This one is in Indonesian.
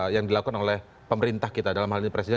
yang dilakukan oleh pemerintah kita dalam hal ini presiden